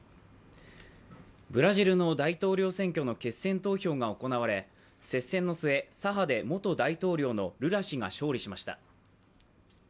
ブラジルとの大統領選挙の決選投票が行われ、接戦の末、左派で元大統領のルラ氏が勝利しました。